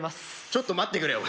ちょっと待ってくれよ